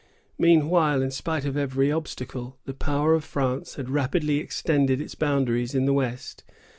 Meanwhile, in spite of every obstacle, the power of France had rapidly extended its boundaries in the west.